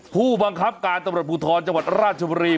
ผู้บังคับการตำรวจภูทรจังหวัดราชบุรี